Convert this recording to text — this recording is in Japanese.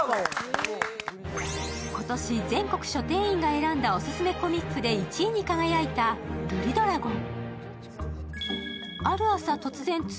今年、全国書店員が選んだおすすめコミックで１位に輝いた「ルリドラゴン」。